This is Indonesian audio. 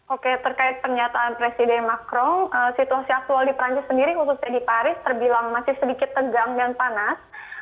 oke terkait pernyataan presiden macron situasi aktual di perancis sendiri khususnya di paris terbilang masih sedikit tegang dan panas